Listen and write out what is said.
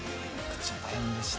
大変でした。